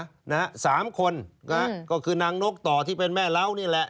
จะสามคนก็คือนางโน๊คต่อที่เป็นแม่เรานี่แหละ